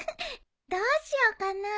どうしようかな。